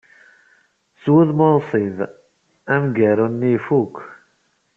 S wudem unṣib, amgaru-nni ifuk.